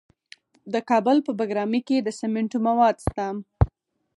د کابل په بګرامي کې د سمنټو مواد شته.